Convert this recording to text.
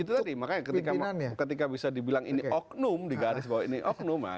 itu tadi makanya ketika bisa dibilang ini oknum di garis bawah ini oknum